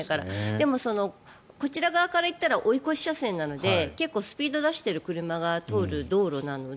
でも、こちら側からいったら追い越し車線なので結構スピードを出してる車が走る道路なので。